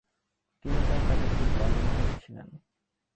তিনি তাঁর কাজে খুব মগ্ন হয়েছিলেন।